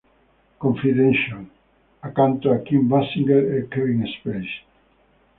Confidential", accanto a Kim Basinger e Kevin Spacey.